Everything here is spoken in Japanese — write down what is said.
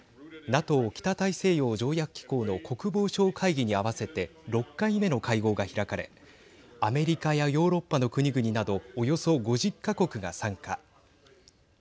ＮＡＴＯ＝北大西洋条約機構の国防相会議に合わせて６回目の会合が開かれアメリカやヨーロッパの国々などおよそ５０か国が参加。